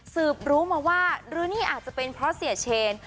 สืบรู้มาว่าหรือนี่อาจจะเป็นเพราะเสียเชน